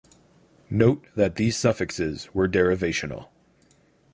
Note that these suffixes were derivational.